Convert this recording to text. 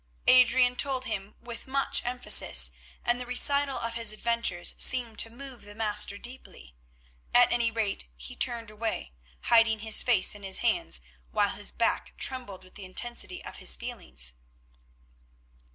Adrian told him with much emphasis, and the recital of his adventures seemed to move the Master deeply, at any rate he turned away, hiding his face in his hands, while his back trembled with the intensity of his feelings.